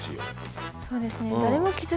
そうですね。